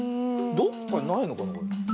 どっかにないのかな？